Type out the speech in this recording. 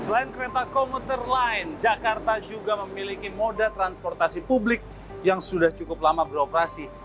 selain kereta komuter lain jakarta juga memiliki moda transportasi publik yang sudah cukup lama beroperasi